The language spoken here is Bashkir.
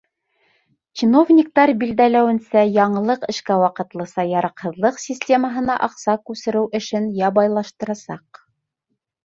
Чиновниктар билдәләүенсә, яңылыҡ эшкә ваҡытлыса яраҡһыҙлыҡ системаһына аҡса күсереү эшен ябайлаштырасаҡ.